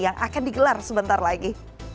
yang akan digelar sebentar lagi